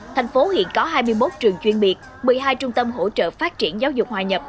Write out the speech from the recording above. thành phố hiện có hai mươi một trường chuyên biệt một mươi hai trung tâm hỗ trợ phát triển giáo dục hòa nhập